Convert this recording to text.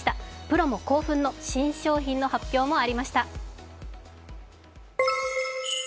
プロも興奮の新商品の発表もありました。